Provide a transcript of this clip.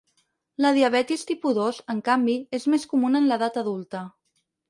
La diabetis tipus dos, en canvi, és més comuna en l’edat adulta.